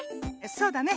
そうだね。